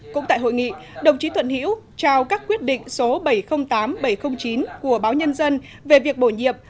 cũng tại hội nghị đồng chí thuận hiễu trao các quyết định số bảy trăm linh tám bảy trăm linh chín của báo nhân dân về việc bổ nhiệm